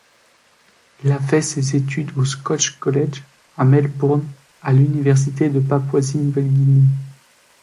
Il a fait ses études au Scotch College, à Melbourne à l'Université de Papouasie-Nouvelle-Guinée.